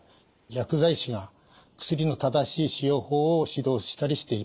薬剤師が薬の正しい使用法を指導したりしています。